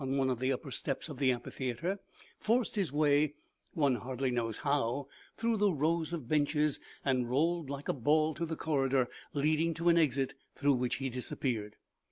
one of the upper steps of the amphitheater, forced his wayy one hardly knows how, through the rows of benches, and rolled like a ball to the corridor leading to an exit, through which he disappeared.